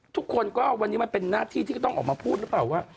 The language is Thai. ทุกคนก็วันนี้มันเป็นหน้าที่ที่ก็ต้องออกมาพูดหรือเปล่าว่า